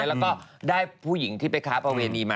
แล้วก็ได้ผู้หญิงที่ไปค้าประเวณีมา